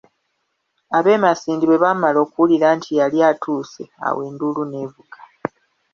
Ab'e masindi bwe baamala okuwulira nti yali atuuse awo enduulu n'evuga.